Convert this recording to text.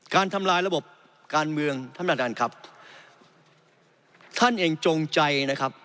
ทำลายระบบการเมืองท่านประธานครับท่านเองจงใจนะครับ